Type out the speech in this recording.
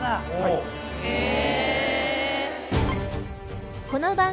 へえ。